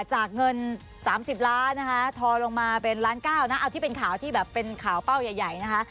จากเงิน๓๐ล้านนะคะทอลงมาเป็นล้าน๙นะเอาที่เป็นข่าวที่แบบเป็นข่าวเป้าใหญ่นะคะ